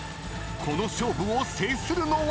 ［この勝負を制するのは⁉］